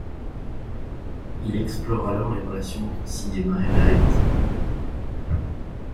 Il explore alors les relations entre cinéma et réalité.